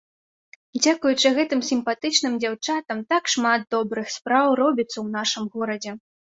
Дзякуючы гэтым сімпатычным дзяўчатам так шмат добрых спраў робіцца ў нашым горадзе.